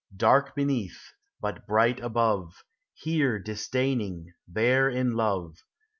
Dark beneath, but blight above; Here disdaining, there in love.